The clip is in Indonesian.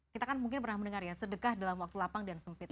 kita kan mungkin pernah mendengar ya sedekah dalam waktu lapang dan sempit